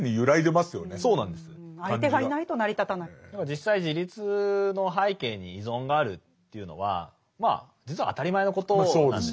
実際自立の背景に依存があるというのはまあ実は当たり前のことなんですよね。